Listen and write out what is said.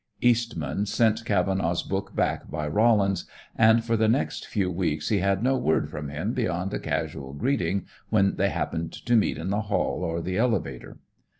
Eastman sent Cavenaugh's book back by Rollins, and for the next few weeks he had no word with him beyond a casual greeting when they happened to meet in the hall or the elevator.